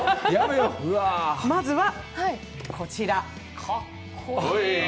まずはこちら。